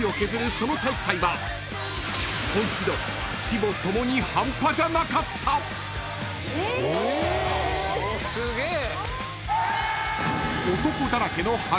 その体育祭は本気度規模共に半端じゃなかった！］え！